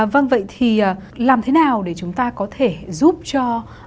vâng vậy thì làm thế nào để chúng ta có thể giúp cho